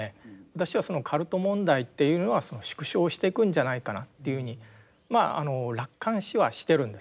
私はカルト問題っていうのは縮小していくんじゃないかなというふうにまあ楽観視はしてるんですね。